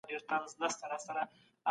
د واک وېش په سياست کې مهم بحث دی.